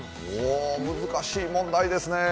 難しい問題ですね。